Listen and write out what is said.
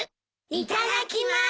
いただきます。